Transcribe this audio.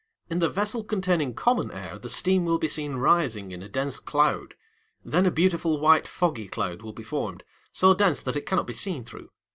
In the vessel containing common air the steam will be seen rising in a dense cloud; then a beautiful white foggy cloud will be formed, so dense that it cannot be seen through.